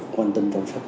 quan tâm chăm sóc